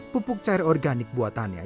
pupuk cair organik buatannya